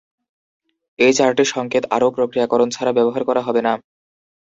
এই চারটি সংকেত আরও প্রক্রিয়াকরণ ছাড়া ব্যবহার করা হবে না।